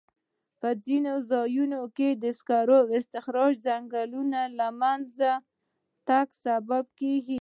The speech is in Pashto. په ځینو ځایونو کې د سکرو استخراج د ځنګلونو له منځه تګ سبب شوی.